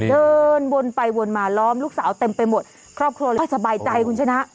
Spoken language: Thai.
เดินวนไปวนมาล้อมลูกสาวเต็มไปหมดครอบครัวเลยไม่สบายใจคุณชนะ